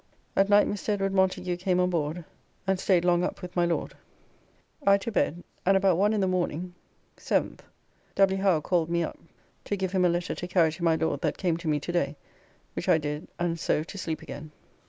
At night Mr. Edward Montagu came on board and staid long up with my Lord. I to bed and about one in the morning, 7th. W. Howe called me up to give him a letter to carry to my Lord that came to me to day, which I did and so to, sleep again.